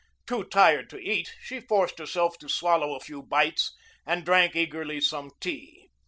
Too tired to eat, she forced herself to swallow a few bites and drank eagerly some tea.